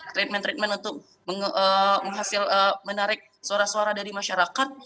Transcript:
treatment treatment untuk menarik suara suara dari masyarakat